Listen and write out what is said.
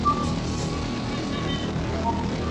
اغېز لاندي کړل، څو د دوی خبرو ته غوږ ونیسي. د